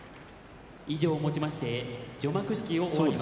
以上をもちまして除幕式を終わります。